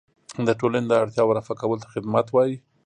د ټولنې د اړتیاوو رفع کولو ته خدمت وایي.